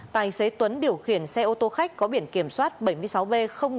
tài xế tuấn điều khiển xe ô tô khách có biển kiểm soát bảy mươi sáu b một nghìn hai mươi hai